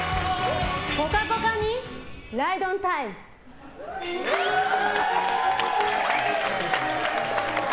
「ぽかぽか」にライドオンタイム。